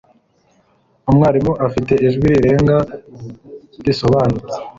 Umwarimu afite ijwi rirenga, risobanutse.